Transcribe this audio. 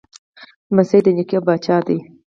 لمسی د نیکه پاچا دی.